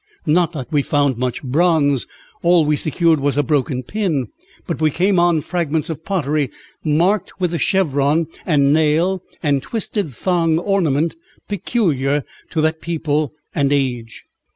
Not that we found much bronze all we secured was a broken pin but we came on fragments of pottery marked with the chevron and nail and twisted thong ornament peculiar to that people and age.